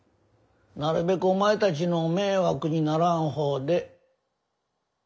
なるべくお前たちの迷惑にならん方で。